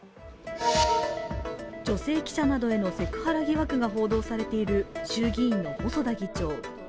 女性記者などへのセクハラ疑惑が報道されている衆議院の細田議長。